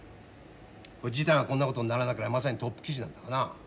事態がこんなことならなければまさにトップ記事なんだがな。